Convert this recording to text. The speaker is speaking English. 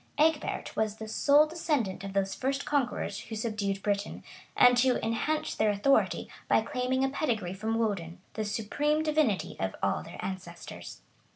Egbert was the sole descendant of those first conquerors who subdued Britain, and who enhanced their authority by claiming a pedigree from Woden, the supreme divinity of their ancestors.